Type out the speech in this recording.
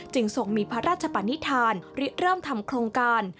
ทรงมีพระราชปณิธานริเริ่มทำโครงการ